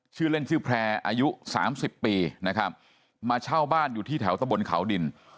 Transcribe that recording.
ชื่อเล่นชื่อแพร่อายุสามสิบปีนะครับมาเช่าบ้านอยู่ที่แถวตะบนเขาดิน